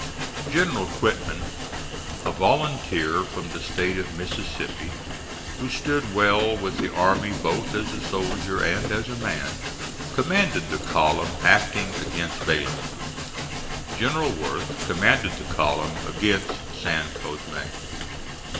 General Quitman, a volunteer from the State of Mississippi, who stood well with the army both as a soldier and as a man, commanded the column acting against Belen. General Worth commanded the column against San Cosme.